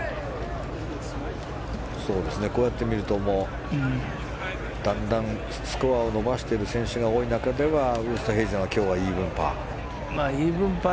こうやって見るとだんだんスコアを伸ばしている選手が多い中ではウーストヘイゼンは今日はイーブンパー。